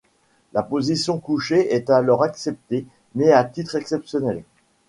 La position couchée est alors acceptée, mais à titre exceptionnel.